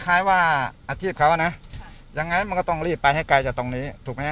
คล้ายว่าอาชีพเขานะยังไงมันก็ต้องรีบไปให้ไกลจากตรงนี้ถูกไหมฮ